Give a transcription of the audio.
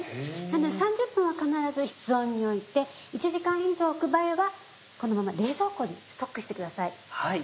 なので３０分は必ず室温に置いて１時間以上置く場合はこのまま冷蔵庫にストックしてください。